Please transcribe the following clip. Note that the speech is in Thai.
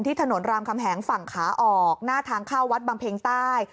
ถนนรามคำแหงฝั่งขาออกหน้าทางเข้าวัดบำเพ็งใต้